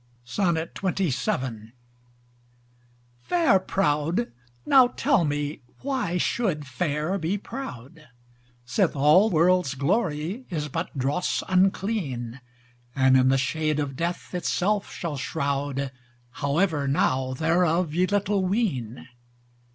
XXVII Fair proud now tell me why should fair be proud, Sith all world's glory is but dross unclean: And in the shade of death itself shall shroud, But ever now thereof ye little weene.